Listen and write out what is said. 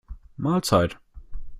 Mahlzeit!